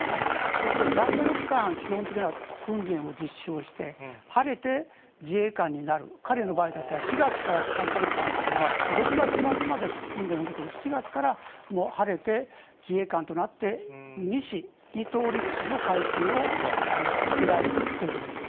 そして、３か月間、基本的には訓練を実施をして、晴れて自衛官になる、彼の場合だったら、４月から３か月間ですから、６月末まで訓練を受けて、７月から晴れて自衛官となって、２士、２等陸士の階級をつけられるということです。